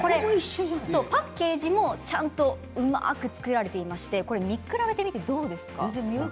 パッケージもちゃんとうまく作られていまして見比べてみてどうですか？